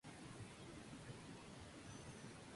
Estudió Ciencias Económicas en Bilbao.